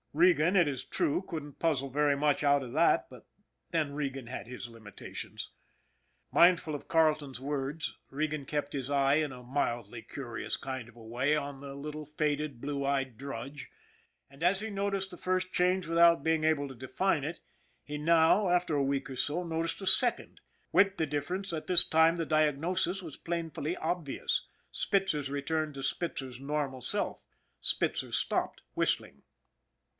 Regan, it is true, couldn't puzzle very much out of that, but then Regan had his limitations. Mindful of Carleton's words, Regan kept his eye in a mildly curious kind of a way on the little faded, blue eyed drudge, and as he noticed the first change without being able to define it, he now, after a week or so, noticed a second, with the difference that this time the diagnosis was painfully obvious Spitzer 's return to Spitzer's normal self. Spitzer stopped whistling.